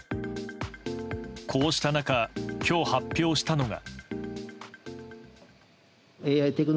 こうした中、今日発表したのが。